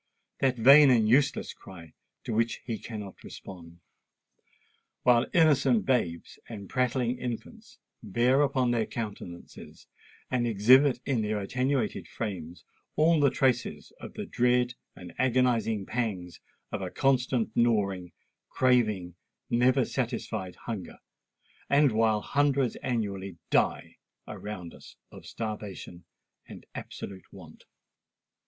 "—that vain and useless cry to which he cannot respond; while innocent babes and prattling infants bear upon their countenances and exhibit in their attenuated frames all the traces of the dread and agonising pangs of a constant gnawing—craving—never satisfied hunger; and while hundreds annually die around us of starvation and absolute want?